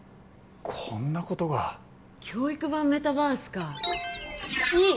こんなことが教育版メタバースかいい！